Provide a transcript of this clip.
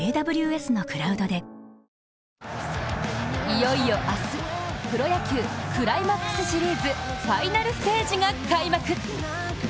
いよいよ明日、プロ野球、クライマックスシリーズ、ファイナルステージが開幕。